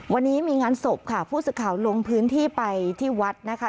วันนี้มีงานศพค่ะผู้สื่อข่าวลงพื้นที่ไปที่วัดนะคะ